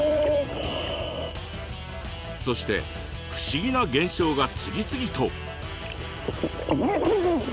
そして不思議な現象が次々と。